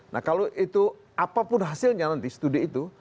nah kalau itu apapun hasilnya nanti studi itu